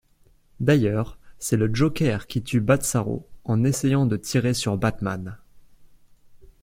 D'ailleurs c'est le Joker qui tue Batzarro en essayant de tirer sur Batman.